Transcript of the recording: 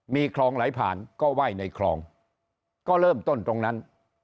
มีคลองไหลผ่านก็ไหว้ในคลองก็เริ่มต้นตรงนั้น